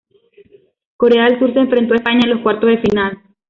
Corea del Sur se enfrentó a España en los cuartos de final.